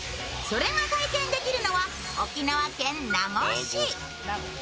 それが体験できるのは、沖縄県名護市。